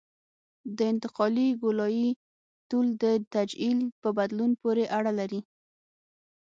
د انتقالي ګولایي طول د تعجیل په بدلون پورې اړه لري